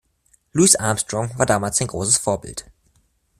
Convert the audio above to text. Louis Armstrong war damals sein großes Vorbild.